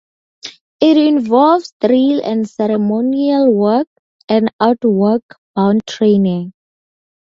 It involves drill and ceremonial work, and outward bound training.